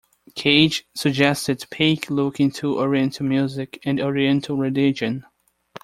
Cage suggested Paik look into Oriental music and Oriental religion.